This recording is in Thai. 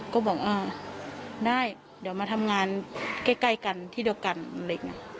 ก็บอกอ่าได้เดี๋ยวมาทำงานใกล้กันที่เดียวกันอะไรอย่างนี้